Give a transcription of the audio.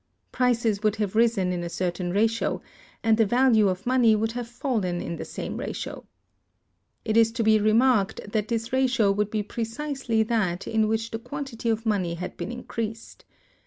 Prices would have risen in a certain ratio, and the value of money would have fallen in the same ratio. It is to be remarked that this ratio would be precisely that in which the quantity of money had been increased.